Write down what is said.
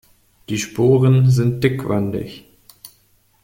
Die Sporen sind dickwandig.